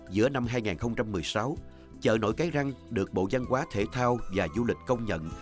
giữa năm hai nghìn một mươi sáu chợ nổi cái răng được bộ văn hóa thể thao và du lịch công nhận